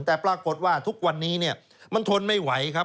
แต่ปรากฏว่าทุกวันนี้เนี่ยมันทนไม่ไหวครับ